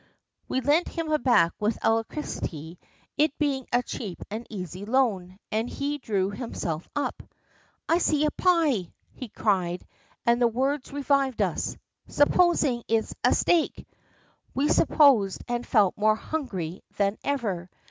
We lent him a back with alacrity, it being a cheap and easy loan, and he drew himself up. "I see a pie!" he cried, and the words revived us. "Supposing it is steak!" We supposed, and felt more hungry than ever.